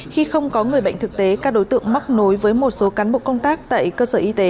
khi không có người bệnh thực tế các đối tượng mắc nối với một số cán bộ công tác tại cơ sở y tế